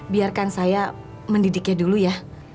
biarkan saya mendidiknya dulu ya